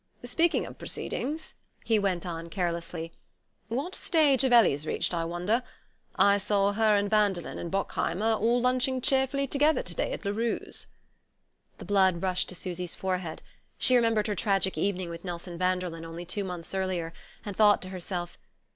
"Speaking of proceedings," he went on carelessly, "what stage have Ellie's reached, I wonder? I saw her and Vanderlyn and Bockheimer all lunching cheerfully together to day at Larue's." The blood rushed to Susy's forehead. She remembered her tragic evening with Nelson Vanderlyn, only two months earlier, and thought to herself.